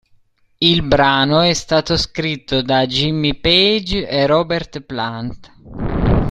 Il brano è stato scritto da Jimmy Page e Robert Plant.